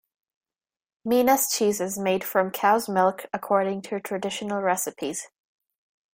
Minas cheese is made from cow's milk according to traditional recipes.